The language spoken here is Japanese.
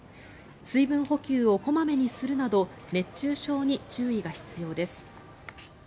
水分補給を小まめにするなど熱中症に注意が必要です。